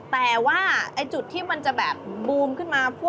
แต่ว่าจุดที่มันจะแบบบูมขึ้นมา